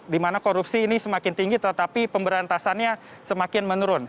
di mana korupsi ini semakin tinggi tetapi pemberantasannya semakin menurun